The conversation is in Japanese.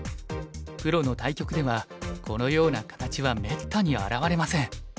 プロの対局ではこのような形はめったに現れません。